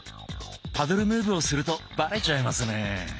パドル・ムーブをするとバレちゃいますね。